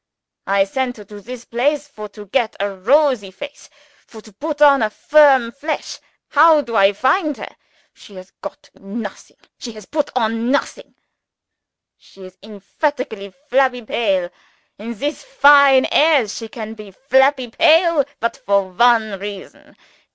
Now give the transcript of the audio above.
I sent her to this place, for to get a rosy face, for to put on a firm flesh. How do I find her? She has got nothing, she has put on nothing she is emphatically flabby pale. In this fine airs, she can be flabby pale but for one reason.